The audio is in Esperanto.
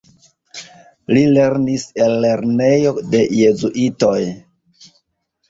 Li lernis en lernejo de jezuitoj.